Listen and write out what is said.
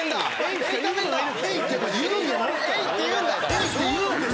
「エイ！」って言うんだ！